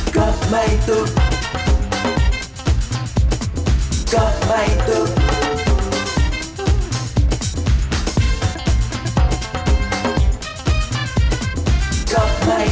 โปรดติดตามตอนต่อไป